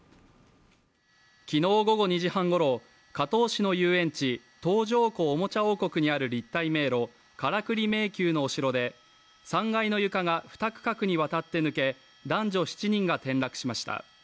昨日午後２時半ごろ加東市の遊園地東条湖おもちゃ王国にある立体迷路、カラクリ迷宮のお城で３階の床が２区画にわたって抜け男女７人が転落しました。